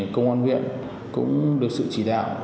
công an huyện cũng được sự chỉ đạo